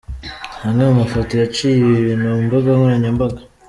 Amwe mu mafoto yaciye ibintu ku mbuga nkoranyambaga .